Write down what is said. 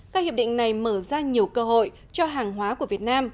các hiệp định này mở ra nhiều cơ hội cho hàng hóa của việt nam